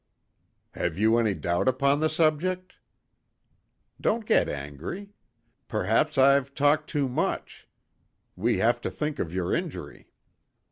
"Have you any doubt upon the subject?" "Don't get angry. Perhaps I've talked too much. We have to think of your injury."